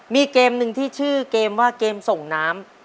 มีเกมหนึ่งที่ชื่อเกมว่าเกมส่งน้ำ